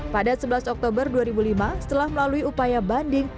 pada sebelas oktober dua ribu lima setelah melalui upaya banding